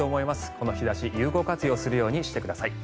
この日差し、有効活用するようにしてください。